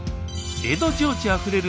江戸情緒あふれる